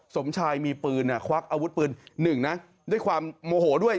สมชายมีปืนควักอาวุธปืนหนึ่งนะด้วยความโมโหด้วย